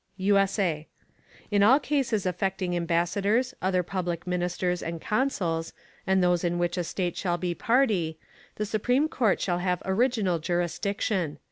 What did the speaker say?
_ [USA] In all Cases affecting Ambassadors, other public Ministers and Consuls, and those in which a State shall be Party, the supreme Court shall have original Jurisdiction.